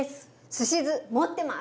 すし酢持ってます。